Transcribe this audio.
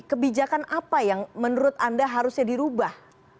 kebijakan apa yang menurut anda harusnya dirubah